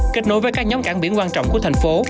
kết nối với các nhóm cảng biển quan trọng của thành phố